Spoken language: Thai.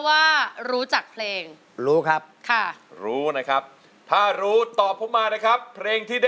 อ่อยังเล็กไปยังสู้ไม่ไหวนะ